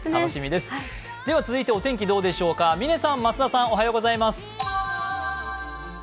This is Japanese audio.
では続いてお天気どうでしょうか、嶺さん、増田さんおはようございます。